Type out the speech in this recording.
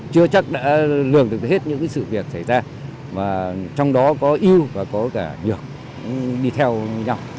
chưa chắc đã lường thực hết những sự việc xảy ra trong đó có yêu và có cả nhược đi theo nhau